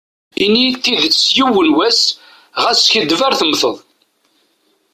Ini-yi tidet yiwen was, ɣas skiddib ar temteḍ.